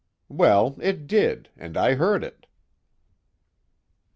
"Well, it did, and I heard it."